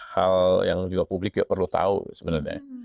hal yang juga publik perlu tahu sebenarnya